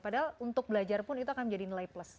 padahal untuk belajar pun itu akan menjadi nilai plus